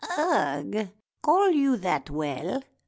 " Ugh ! Call you that well?